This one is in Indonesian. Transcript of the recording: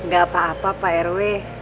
gak apa apa pak rw